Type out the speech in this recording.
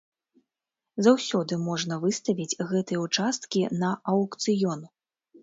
Заўсёды можна выставіць гэтыя ўчасткі на аўкцыён.